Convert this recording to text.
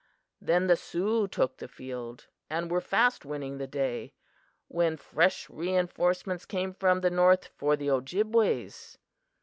Then the Sioux took the field, and were fast winning the day, when fresh reinforcements came from the north for the Ojibways.